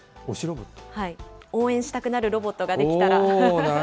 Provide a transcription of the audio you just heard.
応援したくなるロボットができたら。